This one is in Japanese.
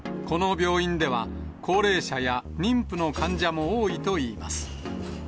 この病院では、高齢者や妊婦の患者も多いといいます。